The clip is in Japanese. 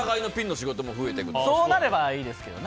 そうなればいいですけど。